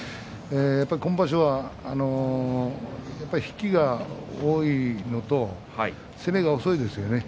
今場所は引きが多いのと攻めが遅いですよね。